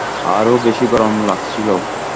আরো বেশি গরম লাগছিলো।